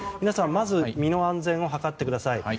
皆さん、まず身の安全を図ってください。